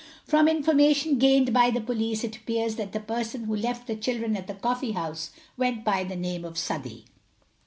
From information gained by the police, it appears that the person who left the children at the coffee house went by the name of Southey.